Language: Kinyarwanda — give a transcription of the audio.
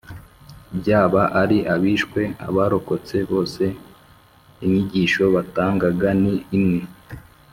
Byaba ari abishwe, abarokotse bose inyigisho batangaga ni imwe